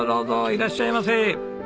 いらっしゃいませ。